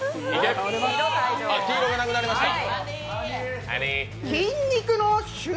黄色がなくなりました。